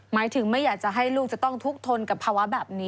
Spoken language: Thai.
หมายถึงไม่อยากจะให้ลูกจะต้องทุกข์ทนกับภาวะแบบนี้